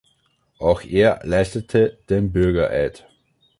Auch er leistete den Bürgereid.